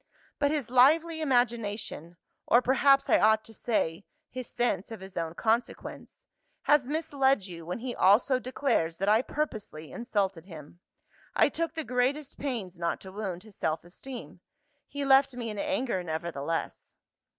But his lively imagination (or perhaps I ought to say, his sense of his own consequence) has misled you when he also declares that I purposely insulted him. I took the greatest pains not to wound his self esteem. He left me in anger, nevertheless.